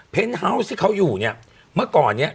เฮาวส์ที่เขาอยู่เนี่ยเมื่อก่อนเนี่ย